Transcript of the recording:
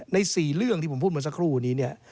ใน๔เรื่องที่ผมพูดมาสักครู่นี้เนี่ย